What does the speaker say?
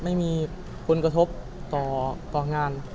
ไม่มีคนกระทบต่อการงาน